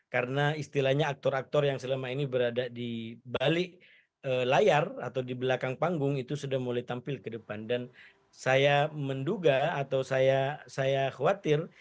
karena istilahnya aktor aktor yang selama ini berada di balik layar atau di belakang panggung itu sudah mulai tampil ke depan dan saya menduga atau saya khawatir